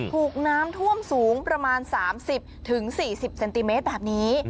ถูกน้ำท่วมสูงประมาณ๓๐๔๐เซนติเมตรแบบนี้